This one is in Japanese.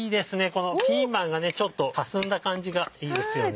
このピーマンがねちょっとかすんだ感じがいいですよね。